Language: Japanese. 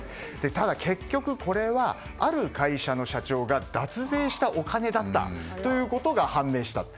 ただ結局これはある会社の社長が脱税したお金だったということが判明した。